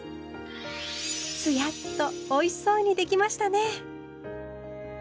つやっとおいしそうにできましたね。